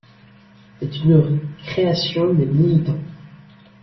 C'est une création des militants.